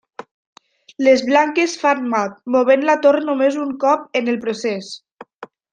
Les blanques fan mat, movent la torre només un cop en el procés.